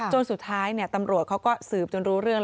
สุดท้ายตำรวจเขาก็สืบจนรู้เรื่อง